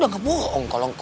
aku boleh pulang duluan gak